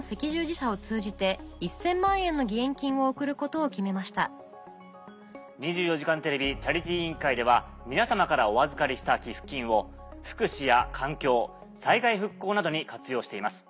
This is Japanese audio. そのため公益社団法人２４時間テレビチャリティー委員会では皆さまからお預かりした寄付金を福祉や環境災害復興などに活用しています。